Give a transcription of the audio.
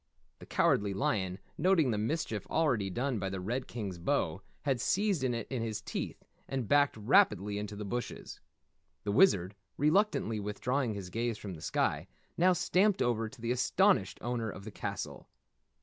The Cowardly Lion, noting the mischief already done by the Red King's bow, had seized it in his teeth and backed rapidly into the bushes. The Wizard, reluctantly withdrawing his gaze from the sky, now stamped over to the astonished owner of the castle.